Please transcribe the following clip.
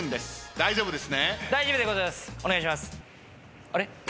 大丈夫です。